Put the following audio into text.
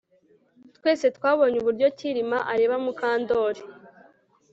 Twese twabonye uburyo Kirima areba Mukandoli